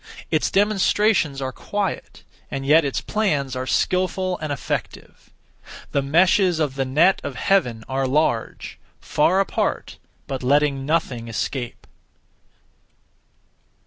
Its demonstrations are quiet, and yet its plans are skilful and effective. The meshes of the net of Heaven are large; far apart, but letting nothing escape.